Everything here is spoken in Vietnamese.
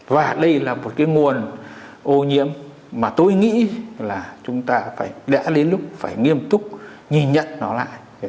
và đây là một cái nguồn ô nhiễm mà tôi nghĩ là chúng ta phải đẽ đến lúc phải nghiêm túc nhìn nhận nó lại